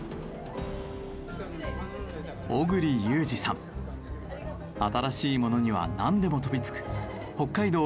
この新しいものにはなんでも飛びつく北海道